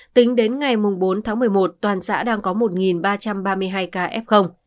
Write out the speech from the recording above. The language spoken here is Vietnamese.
tính đến ngày bốn tháng một mươi một toàn xã đang có một ba trăm ba mươi hai ca f